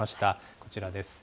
こちらです。